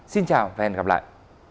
xin chào và hẹn gặp lại